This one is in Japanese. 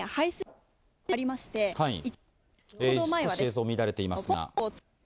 少し映像乱れていますが。